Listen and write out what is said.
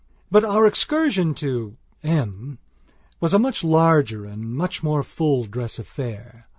. But our excursion to M was a much larger, a much more full dress affair.